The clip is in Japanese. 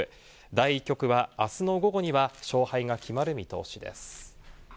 第１局はあすの午後には勝敗が決まる見通しです。